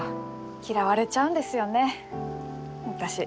嫌われちゃうんですよね私。